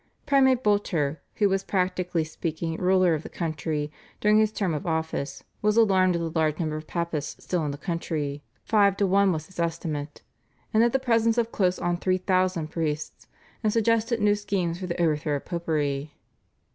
Primate Boulter, who was practically speaking ruler of the country during his term of office, was alarmed at the large number of Papists still in the country five to one was his estimate and at the presence of close on three thousand priests, and suggested new schemes for the overthrow of Popery.